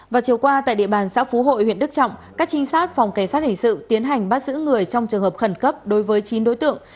và chiều qua tại địa bàn xã phú hội huyện đức trọng các trinh sát phòng cảnh sát hình sự tiến hành bắt giữ người trong trường hợp khẩn cấp đối với chín đối tượng